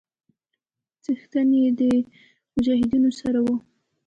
څښتن يې د مجاهيدنو سړى و.